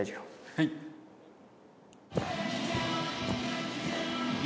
はい。